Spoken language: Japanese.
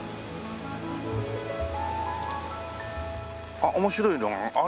あっ面白いのが。